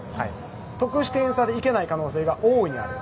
得失点差で行けない可能性が大いにある。